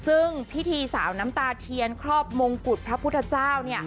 ซึ่งพิธีสาวน้ำตาเทียนครอบมงกุฎพระพุทธเจ้า